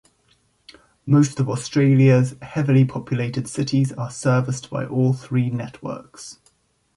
Most of Australia's heavily populated cities are serviced by all three networks.